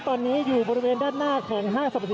คุณภูริพัฒน์ครับ